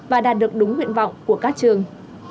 và đạt được đúng nguyện vọng của các trường